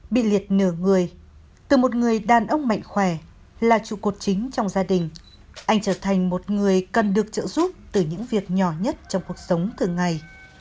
bị liệt nửa người từ một người đàn ông mạnh khỏe là trụ cột chính trong gia đình anh trở thành một người cần được trợ giúp từ những việc nhỏ nhất trong cuộc sống thường ngày